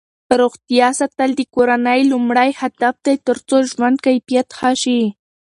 روغتیا ساتل د کورنۍ لومړنی هدف دی ترڅو ژوند کیفیت ښه شي.